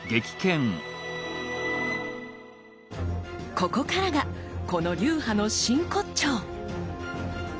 ここからがこの流派の真骨頂！